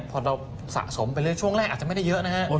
พอเราสะสมไปเรื่อยช่วงแรกอาจจะไม่ได้เยอะนะฮะ